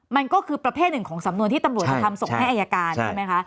มันก็คือประเภทหนึ่งของสำนวนที่ตำรวจจะทำส่งให้อายการใช่ไหมคะ